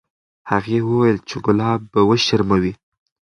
هغې وویل چې ګلاب به وشرموي.